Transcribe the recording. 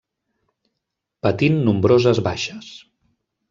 Patint nombroses baixes.